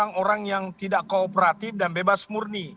ini harus dianggap seperti perangkat kooperatif dan bebas murni